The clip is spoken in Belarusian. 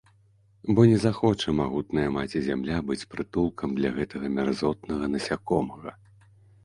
Бо не захоча магутная Маці-Зямля быць прытулкам для гэтага мярзотнага насякомага.